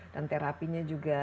dan terapinya juga